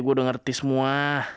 gua udah ngerti semua